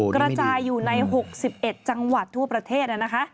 กระจายอยู่ใน๖๑จังหวัดทั่วประเทศ